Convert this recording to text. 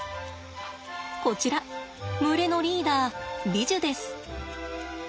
こちら群れのリーダービジュです。